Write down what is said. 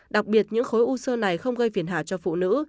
đặc biệt những khối u sơ này không gây phiền hà cho phụ nữ